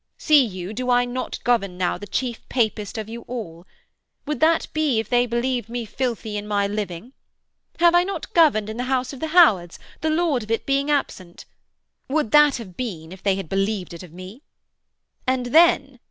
See you, do I not govern now the chief Papist of you all? Would that be if they believed me filthy in my living. Have I not governed in the house of the Howards, the lord of it being absent? Would that have been if they had believed it of me?... And then....'